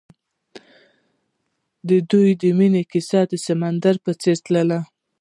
د دوی د مینې کیسه د سمندر په څېر تلله.